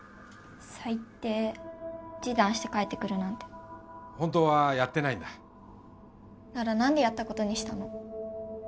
サイテー示談して帰ってくるなんて本当はやってないんだなら何でやったことにしたの？